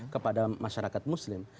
kepada masyarakat muslim